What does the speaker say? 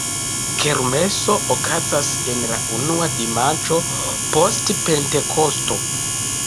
Kermeso okazas en la unua dimanĉo post Pentekosto.